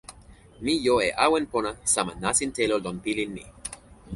mi jo e awen pona sama nasin telo lon pilin mi.